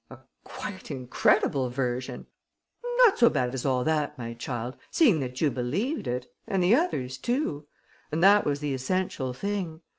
"A quite incredible version!" "Not so bad as all that, my child, seeing that you believed it ... and the others too. And that was the essential thing.